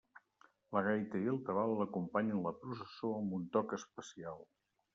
La gaita i el tabal acompanyen la processó amb un toc especial.